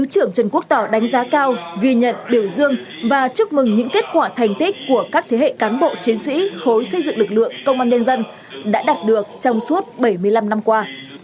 trong bất kỳ giai đoạn lịch sử nào các thế hệ lãnh đạo cán bộ chiến sĩ khối xây dựng lực lượng công an nhân dân đã đạt được trong suốt bảy mươi năm năm qua